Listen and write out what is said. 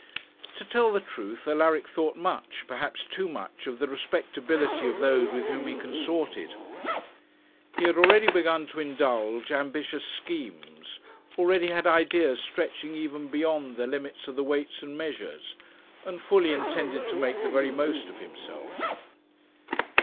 To tell the truth, Alaric thought much, perhaps too much, of the respectability of those with whom he consorted. He had already begun to indulge ambitious schemes, already had ideas stretching even beyond the limits of the Weights and Measures, and fully intended to make the very most of himself.